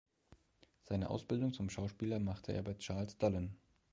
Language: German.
Seine Ausbildung zum Schauspieler machte er bei Charles Dullin.